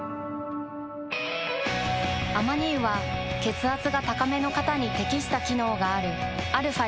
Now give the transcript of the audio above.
アマニ油は血圧が高めの方に適した機能があるαー